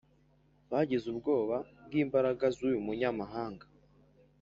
Bagize ubwoba bw’imbaraga z’uyu munyamahanga